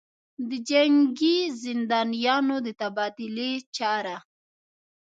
دجنګي زندانیانودتبادلې چاره